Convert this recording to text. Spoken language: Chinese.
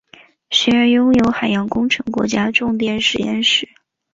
学院拥有海洋工程国家重点实验室。